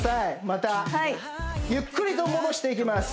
またゆっくりと戻していきます